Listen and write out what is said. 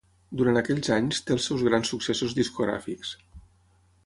Durant aquells anys té els seus grans successos discogràfics.